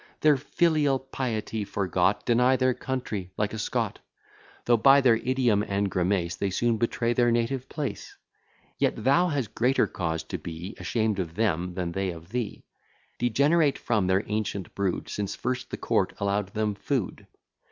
Their filial piety forgot, Deny their country, like a Scot; Though by their idiom and grimace, They soon betray their native place: Yet thou hast greater cause to be Ashamed of them, than they of thee, Degenerate from their ancient brood Since first the court allow'd them food.